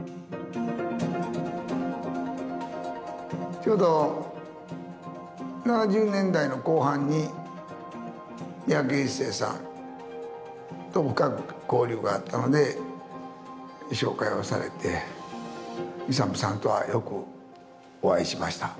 ちょうど７０年代の後半に三宅一生さんと深く交流があったので紹介をされてイサムさんとはよくお会いしました。